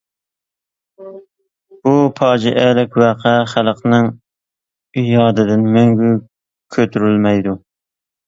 بۇ پاجىئەلىك ۋەقە خەلقنىڭ يادىدىن مەڭگۈ كۆتۈرۈلمەيدۇ.